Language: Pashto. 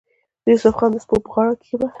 د يوسف خان د سپو پۀ غاړه کښې به